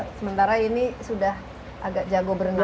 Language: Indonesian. sementara ini sudah agak jago berenang